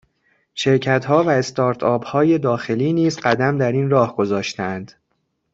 شرکتها و استارتآپهای داخلی نیز قدم در این راه گذاشتهاند